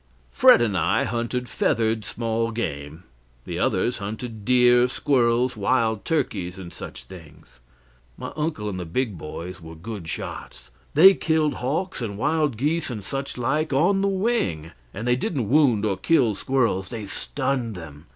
Fred and I hunted feathered small game, the others hunted deer, squirrels, wild turkeys, and such things. My uncle and the big boys were good shots. They killed hawks and wild geese and such like on the wing; and they didn't wound or kill squirrels, they stunned them.